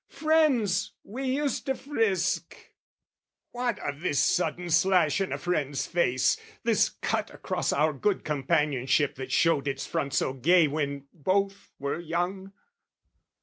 Friends, we used to frisk: What of this sudden slash in a friend's face, This cut across our good companionship That showed its front so gay when both were young?